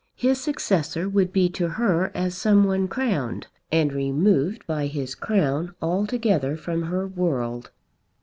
His successor would be to her as some one crowned, and removed by his crown altogether from her world.